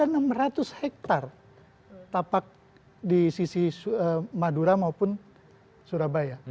ada enam ratus hektare tapak di sisi madura maupun surabaya